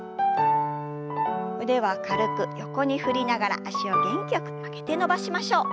腕は軽く横に振りながら脚を元気よく曲げて伸ばしましょう。